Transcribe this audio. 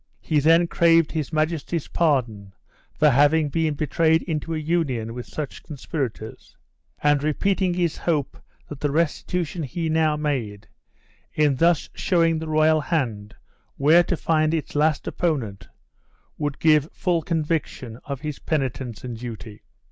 He then craved his majesty's pardon for having been betrayed into a union with such conspirators; and repeating his hope that the restitution he now made, in thus showing the royal hand where to find its last opponent, would give full conviction of his penitence and duty.